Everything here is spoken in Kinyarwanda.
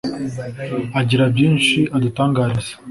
agira byinshi adutangariza